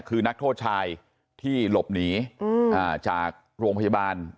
คือนักโทษชายที่หลบหนีจากโรงพยาบาล